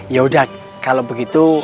yaudah kalau begitu